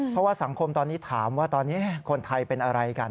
เพราะว่าสังคมตอนนี้ถามว่าตอนนี้คนไทยเป็นอะไรกัน